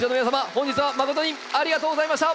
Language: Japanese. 本日は誠にありがとうございました。